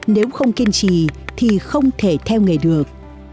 nếu không kiên trì thì không thể theo nghề được